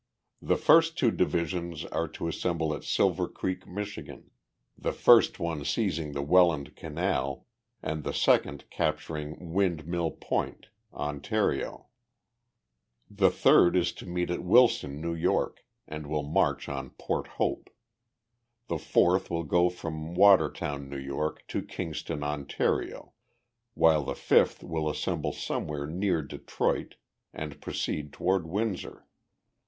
The first two divisions are to assemble at Silvercreek, Michigan the first one seizing the Welland Canal and the second capturing Wind Mill Point, Ontario. The third is to meet at Wilson, N. Y., and will march on Port Hope. The fourth will go from Watertown, N. Y., to Kingston, Ontario, while the fifth will assemble somewhere near Detroit and proceed toward Windsor.